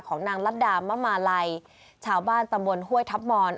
ของนางลัดดามมะมาลัยชาวบ้านตำวลห้วยทับมอน